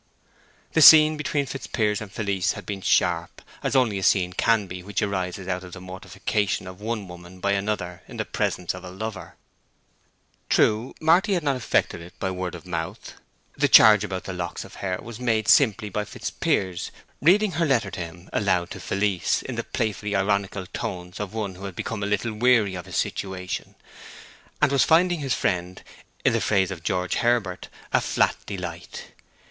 The scene between Fitzpiers and Felice had been sharp, as only a scene can be which arises out of the mortification of one woman by another in the presence of a lover. True, Marty had not effected it by word of mouth; the charge about the locks of hair was made simply by Fitzpiers reading her letter to him aloud to Felice in the playfully ironical tones of one who had become a little weary of his situation, and was finding his friend, in the phrase of George Herbert, a "flat delight."